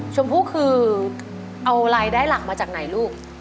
ชมพู่คือเอารายได้หลักมาจากไหนลูก